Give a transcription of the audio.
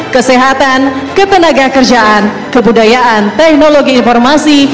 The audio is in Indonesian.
kesehatan ketenaga kerjaan kebudayaan teknologi informasi